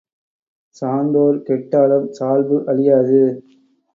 சான்றோர் கெட்டாலும் சால்பு அழியாது.